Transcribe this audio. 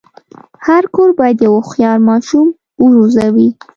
هر کور باید یو هوښیار ماشوم وروزي.